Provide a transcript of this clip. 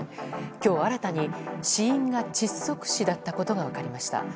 今日、新たに死因が窒息死だったことが分かりました。